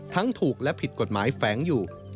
ทั้งถูกและผิดกฎหมายแฟ้งอยู่